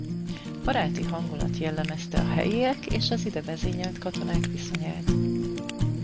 Baráti hangulat jellemezte a helyiek és az ide vezényelt katonák viszonyát.